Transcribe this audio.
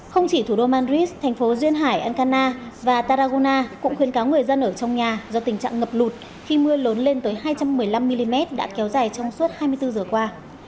không chỉ thủ đô madrid thành phố duyên hải ankana và taragona cũng khuyên cáo người dân ở trong nhà do tình trạng ngập lụt khi mưa lớn lên tới hai trăm một mươi năm mm đã kéo dài trong suốt hai mươi bốn giờ qua